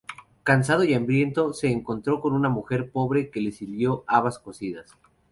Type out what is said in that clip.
Cansado y hambriento, se encontró con una mujer pobre que le sirvió habas cocidas.